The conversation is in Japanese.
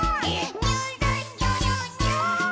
「にゅるにゅるにゅ」